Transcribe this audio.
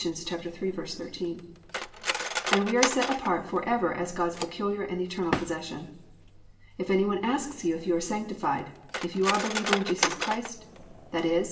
3:13), and we are set apart forever as God's peculiar and eternal possession. If any one asks you if you are sanctified; if you are a believer in Jesus Christ, i.e.